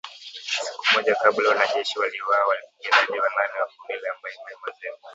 Siku moja kabla wanajeshi waliwaua wapiganaji wanane wa kundi la Mai Mai Mazembe